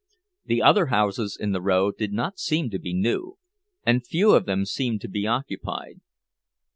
The other houses in the row did not seem to be new, and few of them seemed to be occupied.